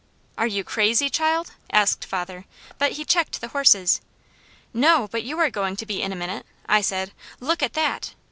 "Are you crazy, child?" asked father, but he checked the horses. "No, but you are going to be in a minute," I said. "Look at that!"